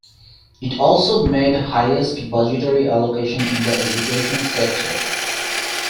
It also made highest budgetary allocation in the education sector.